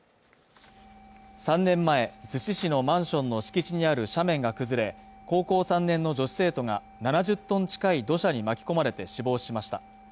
３年前、逗子市のマンションの敷地にある斜面が崩れ、高校３年の女子生徒が７０ｔ近い土砂に巻き込まれて死亡しました。